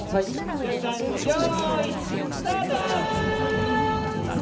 剛さんよいスタート！